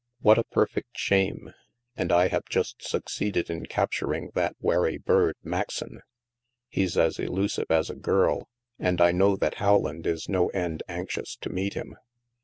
" What a perfect shame! And I have just suc ceeded in capturing that wary bird, Maxon. He's as elusive as a girl, and I know that Howland is no end anxious to meet him."